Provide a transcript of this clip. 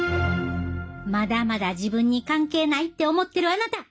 まだまだ自分に関係ないって思ってるあなた！